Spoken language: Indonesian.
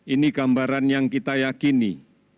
ini gambaran yang kita yakini